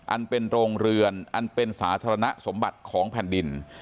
อันเป็นโรงเรือนอันเป็นสาธารณสมบัติของแผ่นดิน